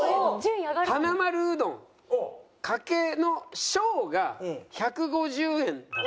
はなまるうどんかけの小が１５０円。